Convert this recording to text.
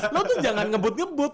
lo tuh jangan ngebut ngebut